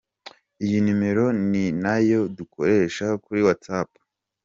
Iyi numero ninayo dukoresha kuri watsapp.